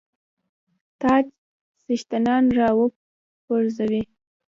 تاج څښتنان را وپرزوي.